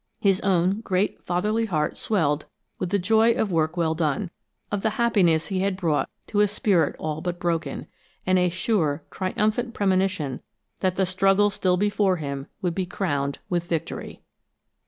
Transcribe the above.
His own great, fatherly heart swelled with the joy of work well done, of the happiness he had brought to a spirit all but broken, and a sure, triumphant premonition that the struggle still before him would be crowned with victory.